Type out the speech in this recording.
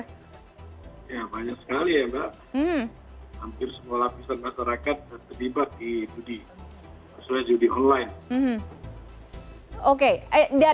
ya banyak sekali ya mbak hampir semua lapisan masyarakat terlibat di judi sesuai judi online